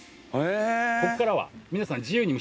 ここからは皆さんおお！